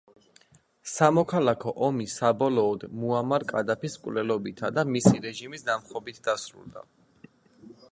სამოქალაქო ომი საბოლოოდ მუამარ კადაფის მკვლელობითა და მისი რეჟიმის დამხობით დასრულდა.